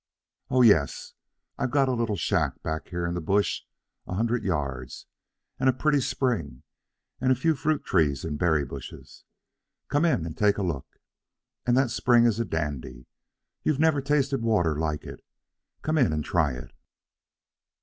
"Oh, yes. I've got a little shack back here in the bush a hundred yards, and a pretty spring, and a few fruit trees and berry bushes. Come in and take a look. And that spring is a dandy. You never tasted water like it. Come in and try it."